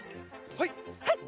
はい！